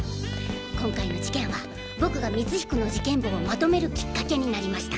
今回の事件は僕が「光彦の事件簿」をまとめるきっかけになりました